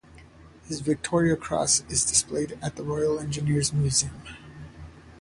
His Victoria Cross is displayed at the Royal Engineers Museum.